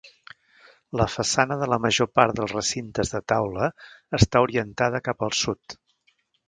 La façana de la major part dels recintes de taula està orientada cap al sud.